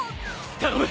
頼む！